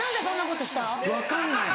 分かんない。